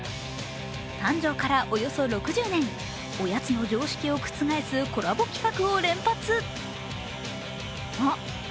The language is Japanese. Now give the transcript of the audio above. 誕生からおよそ６０年、おやつの常識を覆すコラボ企画を連発。